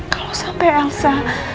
kalau sampe elsa